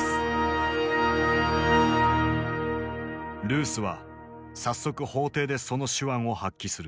ルースは早速法廷でその手腕を発揮する。